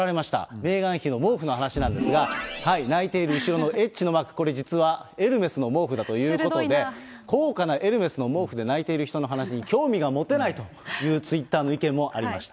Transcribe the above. メーガン妃の毛布の話なんですが、泣いている後ろのＨのマーク、これ実はエルメスの毛布だということで、高価なエルメスの毛布で、泣いている人の話に興味が持てないというツイッターの意見もありました。